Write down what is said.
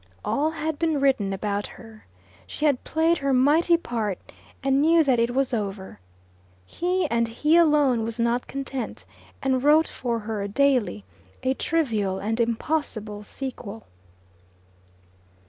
All had been written about her. She had played her mighty part, and knew that it was over. He and he alone was not content, and wrote for her daily a trivial and impossible sequel.